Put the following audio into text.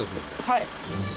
はい。